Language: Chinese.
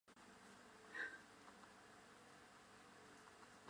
圣博代。